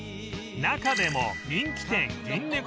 中でも人気店ぎん